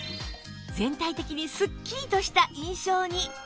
全体的にすっきりとした印象に